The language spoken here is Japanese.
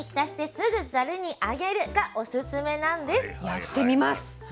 やってみます。